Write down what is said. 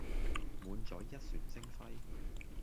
滿載一船星輝